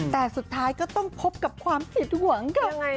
แต่สุดท้ายก็ต้องพบกับความผิดหวังค่ะ